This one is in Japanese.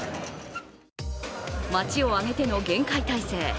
街を挙げての厳戒態勢。